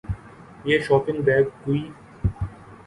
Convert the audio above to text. یہ shopping bag کوئی